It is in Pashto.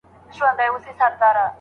اسلامي اصول باید بدل نه سي.